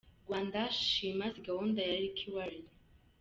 Rwanda shima si gahunda ya Rick Warren’.